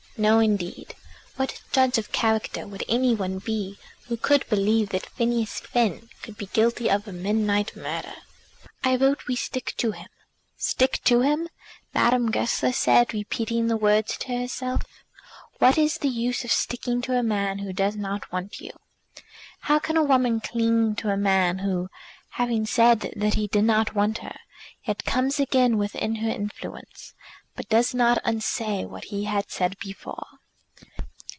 No, indeed! What judge of character would any one be who could believe that Phineas Finn could be guilty of a midnight murder? "I vote we stick to him." "Stick to him!" Madame Goesler said, repeating the words to herself. "What is the use of sticking to a man who does not want you?" How can a woman cling to a man who, having said that he did not want her, yet comes again within her influence, but does not unsay what he had said before?